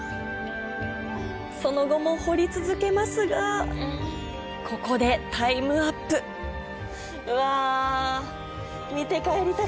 その後も掘り続けますがここでタイムアップうわ！